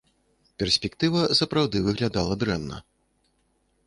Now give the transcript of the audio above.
Перспектыва, сапраўды, выглядала дрэнна.